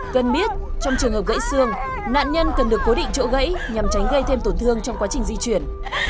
cần biết trong trường hợp gãy xương nạn nhân cần được cố định chỗ gãy nhằm tránh gây thêm tổn thương trong quá trình di chuyển